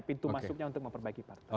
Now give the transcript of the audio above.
pintu masuknya untuk memperbaiki partai